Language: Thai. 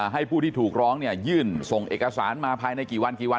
ผู้ที่ถูกร้องยื่นส่งเอกสารมาภายในกี่วันกี่วัน